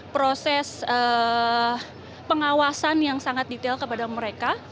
proses pengawasan yang sangat detail kepada mereka